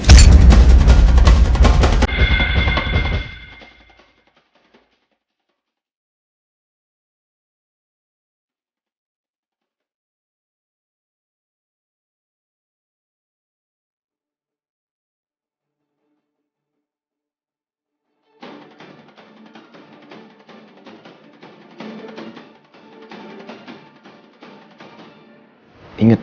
jadi yang jadi